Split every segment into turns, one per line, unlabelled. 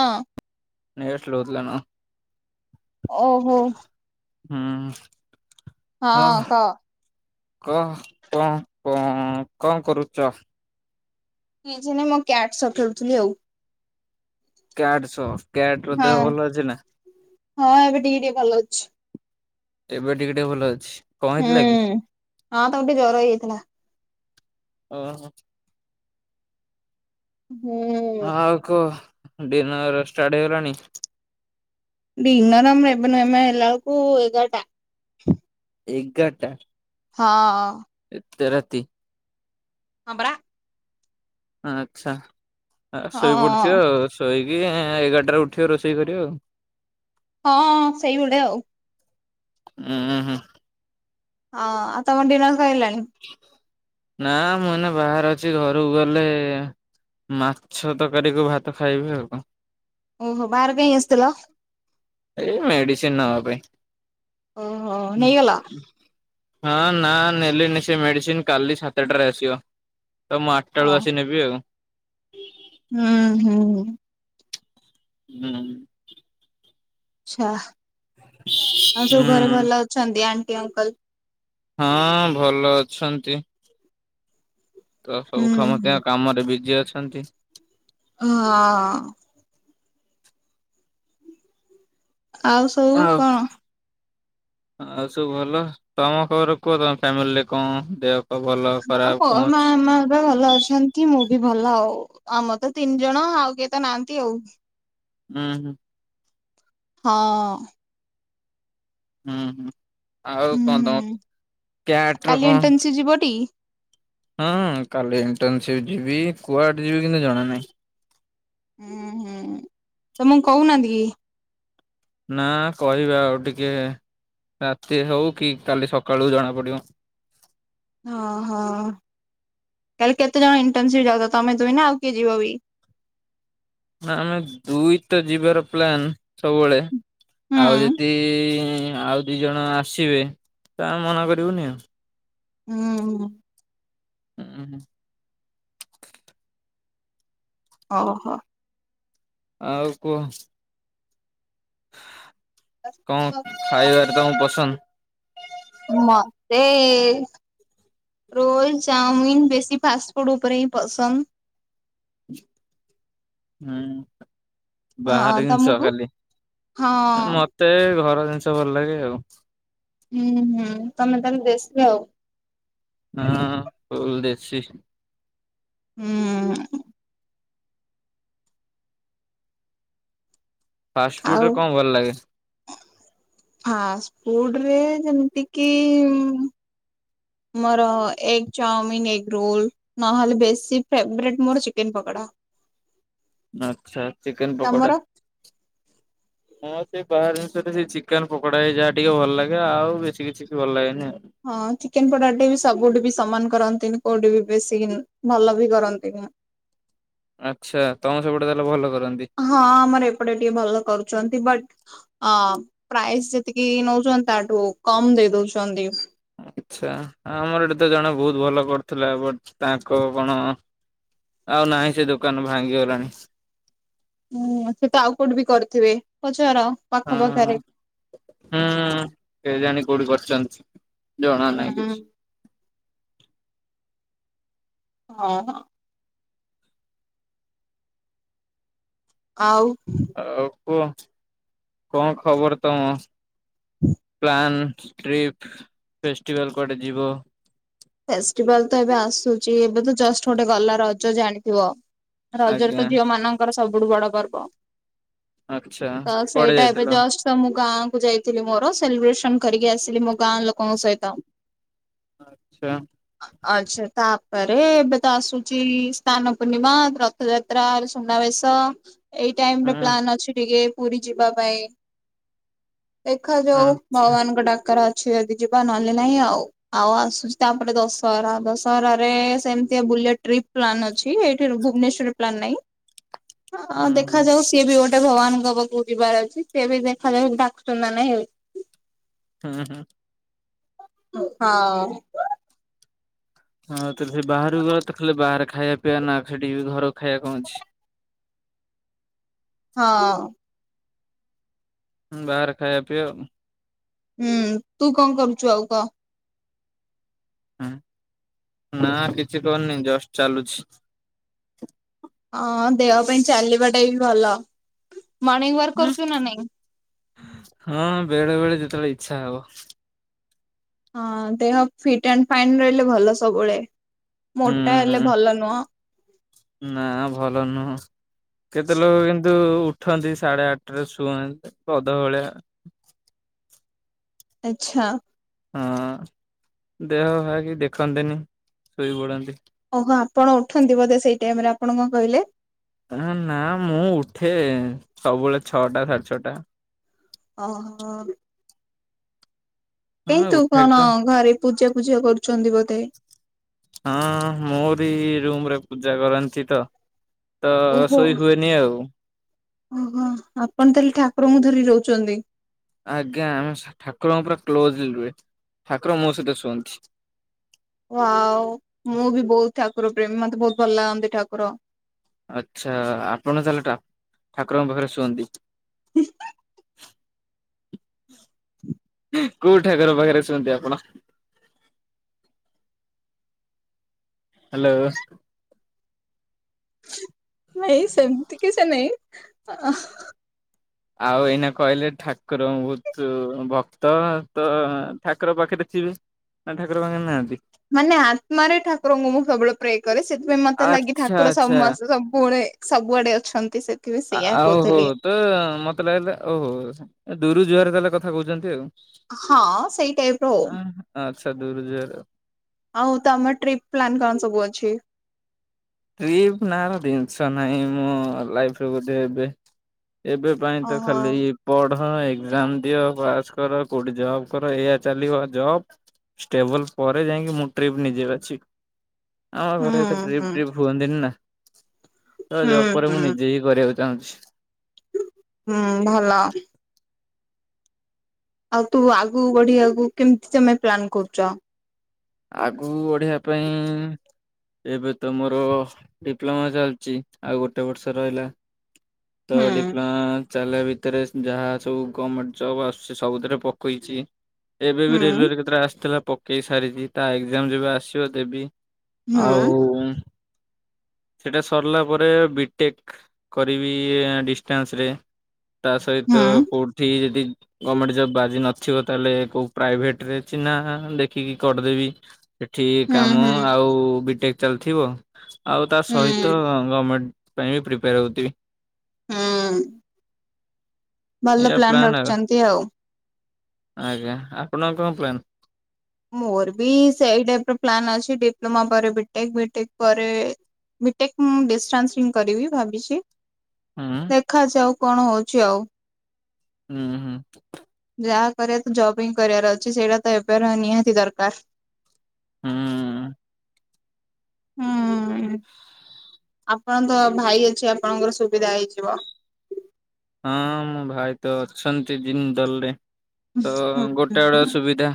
ଅଁ।
Net slow ଥିଲା ନା।
ଓହୋ।
ହୁଁ
ହଁ
ଅହ।
କହ
କ- କଣ୍ -କଣ- କଣ୍ କରୁଚ?
କିଛି ନାହିଁ ମୁଁ କ୍ୟାଟ୍ ସହ ଖେଳୁଥିଲି ଆଉ।
କ୍ୟାଟ୍ ସହ କ୍ୟାଟ୍ ର ଦେହ
ହଁ
ଭଲ ଅଛି ନା?
ହଁ ଏବେ ଟିକେ ଟିକେ ଭଲ ଅଛି।
ଏବେ ଟିକେ ଟିକେ ଭଲ ଅଛି କଣ
ହୁଁ
ହେଇଥିଲା କି?
ହଁ ତାକୁ ଟିକେ ଜର ହେଇ ଯାଇଥିଲା।
ଅ ହ।
ହୁଁ।
ଆଉ କୁହ ଡିନର ଷ୍ଟାର୍ଟ ହେଇଗଲାଣି।
ଡିିନରମ୍ ଏବେ ନୁହେଁ ଏମେ ହେଲା ବଳକୁ ଏଗାର୍ ଟା।
ଏଗାର୍ ଟା।
ହଁ।
ଏତେ ରାତି?
ହଁ ପରା।
ଆଚ୍ଛା ଶୋଇ ପଡିଥିବେ
ହଁ
ଆଉ। ଶୋଇକି ଏଗାରଟାରୁ ଉଠିବେ ରୋଷେଇ କରିବେ ଆଉ।
ହଁ ସେଇ ଭଳିଆ ଆଉ।
ଉଁ ହୁଁ।
ହଁ ଆଉ ତମର ଡିନର୍ ସଇଲାଣି?
ନା ମୁଁ ଏନା ବାହାରେ ଅଛି ଘରକୁ ଗଲେ ମାଛ ତରକାରି କୁ ଭାତ ଖାଇବି ଆଉ କଣ।
ଓହୋ ବାହାରକୁ କାଇଁ ଆସିଥିଲ?
ଏଇ ମେଡିସିନ୍ ନବା
ଓହୋ
ପାଇଁ।
ନେଇଗଲ?
ହଁ ନା ନେଲିନି ସେ ମେଡିସିନ୍ କାଲି ସାତଟାରେ ଆସିବ। ତ ମୁଁ ଆଠ୍ ଟା
ଓ
ବଳକୁ ଆସି ନେବି ଆଉ।
ହୁଁ ହୁଁ।
ହୁଁ।
ଆଚ୍ଛା ଆଉ ସବୁ ଘରେ
ହୁଁ
ଭଲ ଅଛନ୍ତି ଆଣ୍ଟି ଅଙ୍କଲ୍?
ହଁ ଭଲ ଅଛନ୍ତି। ତ ସବୁ
ହୁଁ ହୁଁ
ସମସ୍ତିଙ୍କ କାମରେ ବିଜି ଅଛନ୍ତି।
ହଁ। ଆଉ ସବୁ
ଆଉ
କଣ?
ଆଉ ସବୁ ଭଲ। ତମ ଖବର କୁହ। ତମ ଫ୍ୟାମିଲିରେ କଣ ଦେହ ପା ଭଲ
ହଁ
ଖରାପ
ବ
କଣ ଅଛି?
ମାମା ତ ଭଲ ଅଛନ୍ତି। କି ମୁଁ ବି ଭଲ ଆଉ। ଆମର ତ ତିନି ଜଣ ଆଉ କିଏ ତ ନାହାନ୍ତି ଆଉ।
ହୁଁ ହୁଁ।
ହଁ।
ହୁଁ ହୁଁ ଆଉ କଣ ତମ
ହୁଁ
କ୍ୟାଟ୍ ର କଣ
ଯିବ ଟି।
ହଁ କାଲି ଇଣ୍ଟନସିପ୍ ଯିବି। କୁଆଡେ ଯିବି କିନ୍ତୁ ଜଣା ନାହିଁ।
ହୁଁ ହୁଁ ତମକୁ କହୁ ନାହାନ୍ତି କି?
ନା କହିବେ ଆଉ ଟିକେ ରାତି ହଉ। କି କାଲି ସକାଳୁ ଜଣା ପଡିବ।
ଓହୋ ତାହେଲେ କେତେ ଜଣ ଇଣ୍ଟର୍ନସିପ ଯାଉଛ? ତମେ ଦୁଇ ନା ଆଉ କିଏ ଯିବ ବି?
ନା ଆମେ ଦୁଇ ତ ଯିବାର ପ୍ଲାନ ସବୁବେଳେ।
ହୁଁ
ଆଉ ଯଦି ଆଉ ଦି ଜଣ ଆସିବେ ତ ଆମେ ମନା କରିବୁନି ଆଉ।
ଉଁ ହୁଁ।
ଉଁ ହୁଁ।
ଓହୋ।
ଆଉ କୁହ।
ଆସ୍
କଣ ଖାଇବାରେ ତମକୁ ପସନ୍ଦ?
ମତେ ରୋଲ, ଚାଉମିିନ ବେଶୀ ଫାଷ୍ଟ ଫୁଡ ଉପରେ ହିଁ ପସନ୍ଦ।
ହୁଁ
ହଁ
ବାହାରେ ଜିନିଷ
ତମକୁ?
ଖାଲି।
ହଁ
ମ ମତେ ଘର ଜିନିଷ ଭଲ ଲାଗେ ଆଉ।
ହୁଁ ହୁଁ ତମେ ତାହେଲେ ଦେଶୀ ଆଉ।
ହଁ ଫୁଲ ଦେଶୀ।
ହୁଁ।
ଫାଷ୍ଟ
ଆଉ
ଫୁଡରେ କଣ ଭଲ ଲାଗେ?
ଫାଷ୍ଟ ଫୁଡରେ ଯେମିତି କିି ଉଁ ମୋର ଏଗ ଚାଓମିିନ, ଏଗ ରୋଲ। ନହେଲେ ବେଶୀ ଫେବରେଟ ମୋର ଚିକେନ ପକୋଡା।
ଆଚ୍ଛା ଚିକେନ
ତମର?
ପକୋଡା। ହଁ ସେଇ ବାହାର ଜିନିଷରେ ସେଇ ଚିକେନ ପକଡା ହେଇ ଯାହା ଟିକେ ଭଲ ଲାଗେ ଆଉ ବେଶୀ କିଛି ବି ଭଲ ଲାଗେନି।
ହଁ ଚିକେନ ପଡା ଟା ବି ସବୁଠି ବି ସମାନ କରନ୍ତିନି କୋଉଠି ବି ବେଶୀ କିନା ଭଲ ବି କରନ୍ତିନି
ଆଚ୍ଛା ତମ ସେପଟେ ତାହେଲେ ଭଲ କରନ୍ତି।
ହଁ ଆମର ଏପଟେ ଟିକେ ଭଲ କରୁଛନ୍ତି ବଟ୍ ଅ ପ୍ରାଇଶୁ ଯେତିକି ନଉଛନ୍ତି ତାଠୁ କମ ଦେଇ ଦଉଛନ୍ତି।
ଆଚ୍ଛା ଆମର ଏଠି ତ ଜଣେ ବହୁତ ଭଲ କରୁଥିଲା ବଟ ତାଙ୍କ କଣ? ଆଉ ନାହିଁ ସେ ଦୋକାନ ଭାଙ୍ଗିଗଲାଣି।
ହୁଁ ସେ ତ ଆଉ କୋଉଠି ବି କରିଥିବେ ପଚାର। ପାଖ
ହଁ
ପାଖରେ
ହୁଁ କେଜାଣି କୋଉଠି କରିଛନ୍ତି। ଜଣା ନାହିଁ
ହୁଁ।
କିଛି।
ହଁ ହଁ। ଆଉ
ଆଉ କୁହ କଣ ଖବର ତମ ପ୍ଲାନ୍? ଟ୍ରିପ୍ ଫେଷ୍ଟିଭାଲ କୁଆଡେ ଯିବ?
ଫେଷ୍ଟିଭାଲ ତ ଏବେ ଆସୁଛି ଏବେ ତ ଜଷ୍ଟ ଗୋଟେ ଗଲା ରଜ ଜାଣିଥିବ। ରଜରେ ତ
ଆଜ୍ଞା
ଝିଅ ମାନଙ୍କର ସବୁଠୁ ବଡ ପର୍ବ।
ଆଚ୍ଛା
ତ
କୁଆଡେ
ସେଇଟା ଏବେ
ଯାଇଥିଲ?
ଜଷ୍ଟ ତ ମୁଁ ଗାଁ କୁ ଯାଇଥିଲି ମୋର ସେଲିବ୍ରେସନ କରିକି ଆସିଲି ମୋ ଗାଁ ଲୋକଙ୍କ ସହିତ।
ଆଚ୍ଛା।
ଆଚ୍ଛା ତାପରେ ଏବେ ତ ଆସୁଛି ସ୍ଥାନ ପୂର୍ଣ୍ଣିମା ର ରଥ ଯାତ୍ରା ସୁନାବେଶ୍। ଏଇ ଟାଇମ ର
ହୁଁ
ପ୍ଲାନ୍ ଅଛି ଟିକେ ପୁରୀ ଯିବା ପାଇଁ। ଦେଖାଯାଉ
ଆଚ୍ଛା
ଭଗବାନଙ୍କ ଡାକରା ଅଛି ଯଦି ଯିବା ନହେଲେ ନାହିଁ ଆଉ ଆଉ ଆସୁ ତାପରେ ଦଶହରା ଦଶହରାରେ ସେମିତି ବୁଲିଆ ଟ୍ରିପ୍ ପ୍ଲାନ୍ ଅଛି ଏଇଠିରୁ ଭୁବନେଶ୍ଵରରୁ ପ୍ଲାନ୍ ନାହିଁ
ହୁଁ
ଅଁ
ହୁଁ।
ଦେଖାଯାଉ ସିଏ ବି ଗୋ ଗୋଟେ ଭଗବାନଙ୍କ ପାଖକୁ ଯିବାର ଅଛି ସେ ବି ଦେଖାଯାଉ ଡାକୁଛନ୍ତି ନା ନାହିଁ ହେ
ହୁଁ ହୁଁ।
ହଁ।
ହଁ ତ ସେ ବାହାରକୁ ଗଲା ତ ଖାଲି ବାହାରେ ଖାଇବା ପିଇବା ନା ସେଠି ଘର ଖାଇବା କଣ ଅଛି?
ହଁ।
ବାହାର ଖାଇବା ପିଅ।
ହୁଁ ତୁ କଣ କରୁଛୁ ଆଉ କହ।
ହୁଁ ନା କିଛି କରିନି ଜଷ୍ଟ ଚାଲୁଛି।
ହଁ ଦେହ ପାଇଁ ଚାଲିବାଟା ବି ଭଲ। ମର୍ଣ୍ଣିିଂ ୱାର୍କ କରୁଛୁ ନା ନାଇଁ।
ହଁ ବେଳେ ବେଳେ ଯେତେବେଳେ ଇଛା ହବ।
ହଁ ଦେହ ଫିଟ ଆଣ୍ଡ ଫାଇନ୍ ରହିଲେ ଭଲ ସବୁବେଳେ ମୋଟା ହେଲେ
ହୁଁ।
ଭଲ ନୁହଁ।
ନା ଭଲ ନୁହଁ କେତେ ଲୋକ କେ ନ୍ତୁ ଉଠନ୍ତି ସାଢେ ଆଠଟରେ ଶୁଅନ୍ତି ଗଧ ଭଳିଆ।
ଆଛା।
ହଁ ଦେହ ପାଆ କିଛି ଦେଖନ୍ତନି ଶୋଇ ପଡନ୍ତି।
ଓହୋ ଆପଣ ଉଠନ୍ତି ବୋଧେ ସେଇ ଟାଇମ ରେ, ଆପଣ କଣ କହିଲେ?
ଆ ନା ମୁଁ ଉଠେ, ସବୁବେଳେ ଛଅଟା ସାଢେ ଛଅଟା।
ଅହ। କାହିଁ
ହଁ
ତୁ
ଉଠେ
କଣ
ତ
ଘରେ ପୂଜା ପୂଜି କରୁଛନ୍ତି ବୋଧେ?
ହଁ ମୋରି ରୁମ ରେ ପୂଜା କରନ୍ତି ତ। ତ
ଓହୋ
ସୋଇ ହୁଏନି ଆଉ।
ଓହୋ ଆପଣ ତାହେଲେ ଠାକୁରଙ୍କୁ ଧରି ରହୁଛନ୍ତି।
ଆଜ୍ଞା ଆମେ ସା ଠାକୁରଙ୍କ ପୁରା କ୍ଲୋଜ ରୁହେ। ଠାକୁର ମୋ ସହିତ ଶୁଅନ୍ତି।
ୱାଓ ମୁଁ ବି ବୋହୁତ ଠାକୁର ପ୍ରେମୀ ମତେ ବୋହୁତ ଭଲ ଲାଗନ୍ତି ଠାକୁର।
ଆଚ୍ଛା ଆପଣ ତାହେଲେ ଠା-ଠାକୁରଙ୍କ ପାଖରେ ଶୁଅନ୍ତି।
[unintelligible]
କୋଉ ଠାକୁର ପାଖରେ ଶୁଅନ୍ତି ଆପଣ? ହାଲୋ।
ନାଇଁ ସେମିତି କିଛି ନାଇଁ‌ ଆ [unintelligible]
ଆଉ ଏଇନା କହିଲେ ଠାକୁର ବୋହୁତ ଭକ୍ତ ତ ଠାକୁର ପାଖରେ ଥିବେ। ନା ଠାକୁର ପାଖରେ ନାହାନ୍ତି।
ମାନେ ଆତ୍ମାରେ ଠାକୁରଙ୍କୁ ମୁଁ ସବୁବେଳେ ପ୍ରେ କରେ। ସେଥିପାଇଁ ମତେ ଲାଗେ
ଆଚ୍ଛା
ଠାକୁର
ଆଚ୍ଛା।
ସମ ସବୁବେଳେ ସବୁଆଡେ ଅଛନ୍ତି ସେ।
ଆଉ ହୋ ତ ମତେ ଲାଗିଲା। ଓହୋ ଦୁରୁ ଜୁହାର ତାହେଲେ କଥା କୋହୁଚନ୍ତି ଆଉ।
ହଁ ସେଇ ଟାଇପର ଆଉ।
ଆଚ୍ଛା ଦୁରୁ ଜୁହାର।
ଆଉ ତମ ଟ୍ରିପ ପ୍ଲାନ କଣ ସବୁ ଅଛି।
ଟ୍ରିପ ନା ର ଜିନିଷ ନାହିଁ ମୋ ଲାଇଫିରେ ବୋଧେ ଏବେ, ଏବେ ପାଇଁ ତ
ଓହୋ
ଖାଲି ପଢ ଏକ୍ଜାମ ଦିଅ ପାସ୍ କର କୋଉଠି ଜବ୍ କର ଏଇଆ ଚାଲିବ ଜବ୍। ଷ୍ଟେବଲ ପରେ ଯାଇକି ମୁଁ ଟ୍ରିପ୍ ନିଯେ ବାଛିବି। ଆମ
ହୁଁ
ଘରେ ଏତେ ଟ୍ରିପ
ହୁଁ
ଦିନା ନା ତ
ହୁଁ
ଜବ୍ ପରେ ମୁଁ
ହୁଁ।
ନିଜେ ହି କରିବାକୁ ଚାହୁଁଚି।
ହୁଁ ଭଲ। ଆଉ ତୁ ଆଗକୁ ବଢିବାକୁ କେମିତି ତମେ ପ୍ଲାନ୍ କରୁଚ।
ଆଗୁକୁ ବଢିବା ପାଇଁ ଏବେ ତ ମୋର ଡିପ୍ଲମା ଚାଲିଚି, ଆଉ ଗୋଟେ ବର୍ଷ ରହିଲା। ତ
ହୁଁ
ଡିପ୍ଲମା ଚାଲିବା ଭିତରେ ଯାହା ସବୁ ଗମେଣ୍ଟ ଜବ୍ ଆସୁଚି ସବୁଥିରେ ପକେଇଚି। ଏବେ
ହୁଁ
ବି ରେଲୱେ ରେ କେତେଟା ଆସିଥିଲା ପକେଇ ସାରିଚି, ତା ଏକ୍ଜାମ ଯେବେ ଆସିବ ଦେବି।
ହୁଁ
ଆଉ ସେଟା ସରିଲା ପରେ ବିଟେକ୍ କରିବି ଡିଷ୍ଟାନ୍ସ ରେ। ତା ସହିତ
ହୁଁ
କୋଉଠି ଯଦି ଗମେଣ୍ଟ ଜବ୍ ବାଜି ନଥିବ ତାହେଲେ କୋଉ ପ୍ରାଇଭେଟ୍ ରେ ଚିହ୍ନା ଦେଖିକି କରିଦେବି। ଏଠି
ହୁଁ
କାମ
ହୁଁ
ଆଉ ବିଟେକ୍ ଚାଲିଥିବ ଆଉ ତା
ହୁଁ।
ସହିତ ଗମେଣ୍ଟ ପାଇଁ ବି ପ୍ରିପେୟାର ହୋଉଥିବି।
ହୁଁ। ଭଲ
ଏଇଆ
ପ୍ଲାନ
ପ୍ଲାନ୍ ଆଉ
ରଖିଛନ୍ତି
ଆଜ୍ଞା। ଆପଣଙ୍କ କଣ ପ୍ଲାନ୍?
ମୋର ବି ସେଇ ଟାଇପର ପ୍ଲାନ୍ ଅଛି ଡିପ୍ଲମା ପରେ ବିଟେକ୍। ବିଟେକ୍ ପରେ ବିଟେକ୍ ମୁଁ ଡିଷ୍ଟାନ୍ସ ହିଁ କରିବି ଭାବିଚି।
ହୁଁ।
ଦେଖା ଯାଉ କଣ ହୋଉଛି ଆଉ।
ହୁଁ ହୁଁ।
ଯାହା କରିବା ତ ଜବ୍ ହିଁ କରିବାର ଅଛି ସେଇଟା ତ ଏବେର ନିହାତି ଦରକାର।
ହୁଁ।
ହୁଁ ଆପଣ ତ ଭାଇ ଅଛି। ଆପଣଙ୍କର ସୁବିଧା ହେଇଯିବ।
ହଁ ମୋ ଭାଇ ତ ଅଛନ୍ତି ଜିନ୍ଦଲରେ ତ ଗୋଟେ ଆଡୁଆ ସୁବିଧା।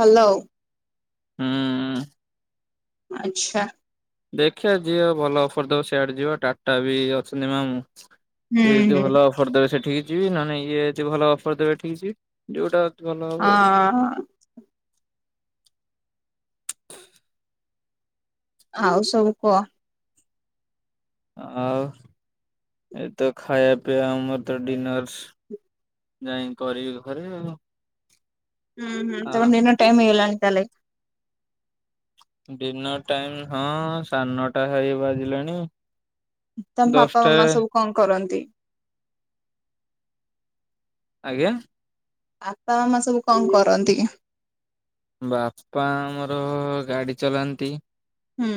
ଭଲ ଆଉ।
ହୁଁ।
ଆଚ୍ଛା।
ଦେଖିବା ଯିବା ଭଲ ଅଫର ଦବ ସିଆଡେ ଯିବା ଟାଟା ବି ଅଛନ୍ତି ମାମୁଁ।
ହୁଁ
ସିଏ ଯଦି
ହୁଁ
ଭଲ ଅଫର ଦେବେ ସେଠିକି ଯିବି ନହେନ ଇଏ ଯଦି ଭଲ ଅଫର ଦେବେ ଏଠିକ ଯିବି। ଯୋଉଟା ଅତି ଭଲ ହବ।
ହଁ ହଁ। ଆଉ ସବୁ କୁହ।
ଆଉ ଏତ ଖାଇବା ପିଆ ଆମର ତ ଡିିନର୍ସ। ଯାଇ କରିବି ଘରେ ଆଉ।
ହୁଁ ହୁଁ
ଆ
ତମ ଡିନର ଟାଇମ ହେଇଗଲାଣି ତାହାଲେ।
ଡିନର ଟାଇମ ହଁ ସଢ଼ ନଟା ହେଇ ବାଜିଲାଣି।
ତମ ପାପା
ଦଶଟା
ମାମା ସବୁ କଣ କରନ୍ତି?
ଆଜ୍ଞା?
ଆପା ମାମା ସବୁ କଣ କରନ୍ତି?
ବାପା ଆମର ଗାଡି ଚଲାନ୍ତି।
ହୁଁ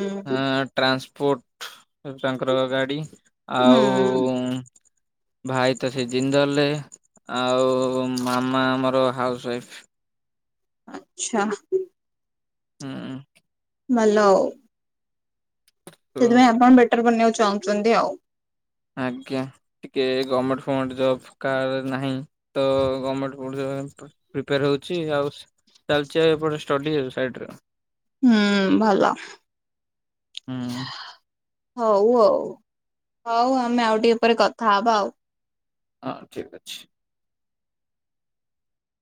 ଟ୍ରାନ୍ସପୋର୍ଟ ତାଙ୍କର ଗାଡି
ହୁଁ
ଆଉ ଭାଇ ତ ସେ ଜିନ୍ଦଲେ ରେ ଆଉ ମାମା ଆମର ହାଉସ ୱାଇଫ।
ଆଛା
ହୁଁ
[unintelligible]
ତ
ସେଥିପାଇଁ ଆପଣ ବେଟର ବନେଇବାକୁ ଚାହୁଁଛନ୍ତି ଆଉ।
ଆଜ୍ଞା ଟିକେ ଗମେଣ୍ଟ ଫମେଣ୍ଟ ଜବ କାର ନାହିଁ ତ ଗମେଣ୍ଟ ପ୍ରିପେୟାର ହଉଛି ଆଉ ଚାଲିଛି ଆଉ ଏପଟେ ଷ୍ଟାଡି ସାଇଟ ରେ।
ହୁଁ ଭଲ
ହୁଁ
ହଉ ଆଉ ହଉ ଆମେ ଆଉ ଟିକେ ଉପରେ କଥା ହବା ଆଉ।
ହଁ ଠିକ ଅଛି।